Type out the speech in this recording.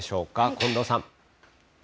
近藤さん。